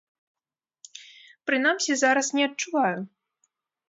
Прынамсі, зараз не адчуваю.